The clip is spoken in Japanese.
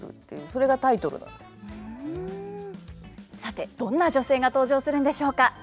さてどんな女性が登場するんでしょうか？